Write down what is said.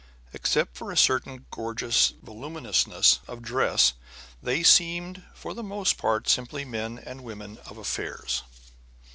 Except for a certain gorgeous voluminousness of dress, they seemed for the most part simply men and women of affairs.